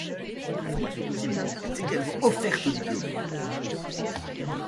De la formation continue est également offerte aux diplômés.